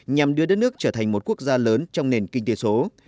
nhằm đưa đất nước trở thành một quốc gia lớn trong nền kinh tế số